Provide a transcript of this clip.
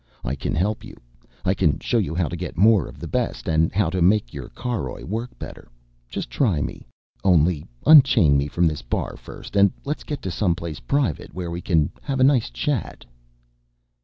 I can help you. I can show you how to get more of the best, and how to make your caroj work better. Just try me. Only unchain me from this bar first and let's get to some place private where we can have a nice chat."